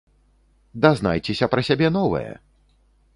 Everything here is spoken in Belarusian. Дазнайцеся пра сябе новае!